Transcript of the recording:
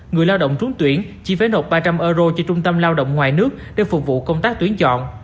người lao động trúng tuyển chi phế nộp ba trăm linh euro cho trung tâm lao động ngoài nước để phục vụ công tác tuyến chọn